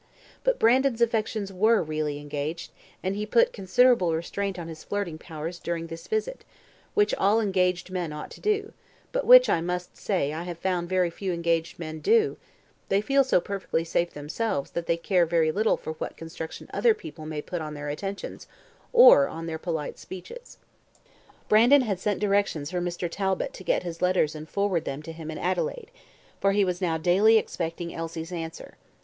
But Brandon's affections were really engaged, and he put considerable restraint on his flirting powers during this visit, which all engaged men ought to do, but which, I must say, I have found very few engaged men do; they feel so perfectly safe themselves that they care very little for what construction other people may put on their attentions, or their polite speeches. Brandon had sent directions for Mr. Talbot to get his letters and forward them to him in Adelaide, for he was now daily expecting Elsie's answer.